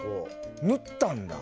塗ったんだ。